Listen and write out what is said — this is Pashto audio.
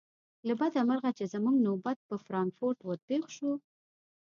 له بده مرغه چې زموږ نوبت پر فرانکفورت ور پیښ شو.